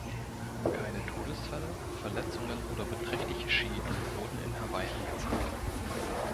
Keine Todesfälle, Verletzungen oder beträchtliche Schäden wurden in Hawaii angezeigt.